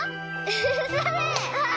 それ！